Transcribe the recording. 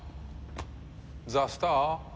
ザ・スター。